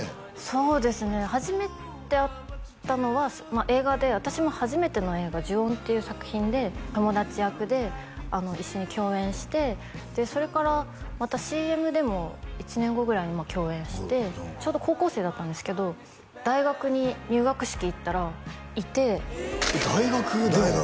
そうですね初めて会ったのは映画で私も初めての映画「呪怨」っていう作品で友達役で一緒に共演してそれからまたＣＭでも１年後ぐらいに共演してちょうど高校生だったんですけど大学に入学式行ったらいて大学でも？